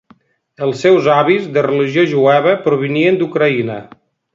Els seus avis, de religió jueva, provenien d'Ucraïna.